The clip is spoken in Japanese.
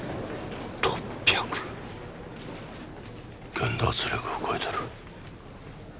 限度圧力を超えてる。